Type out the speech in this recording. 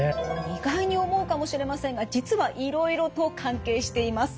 意外に思うかもしれませんが実はいろいろと関係しています。